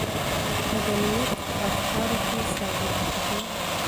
مدنیت په افکارو کې سادګي ختموي.